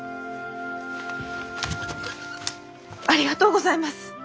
ありがとうございます。